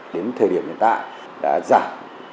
đến thời điểm hiện tại đã giảm